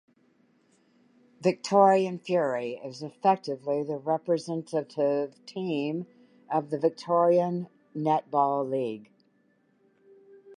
Victorian Fury is effectively the representative team of the Victorian Netball League.